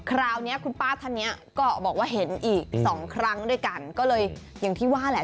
คราวนี้คุณป้าท่านเนี้ยก็บอกว่าเห็นอีกสองครั้งด้วยกันก็เลยอย่างที่ว่าแหละ